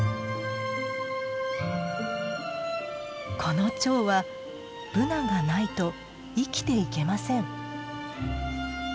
このチョウはブナがないと生きていけません。